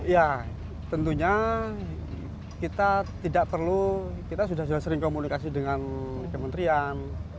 ya tentunya kita tidak perlu kita sudah sering komunikasi dengan kementerian